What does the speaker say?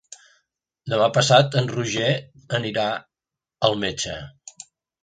Demà passat en Roger anirà al metge.